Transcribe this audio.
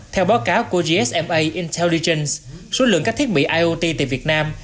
theo báo cáo của gsma intelligence số lượng các thiết bị iot tại việt nam